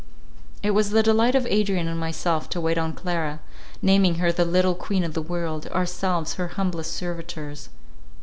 It was the delight of Adrian and myself to wait on Clara, naming her the little queen of the world, ourselves her humblest servitors.